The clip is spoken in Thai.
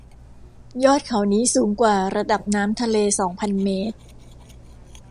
ยอดเขานี้สูงกว่าระดับน้ำทะเลสองพันเมตร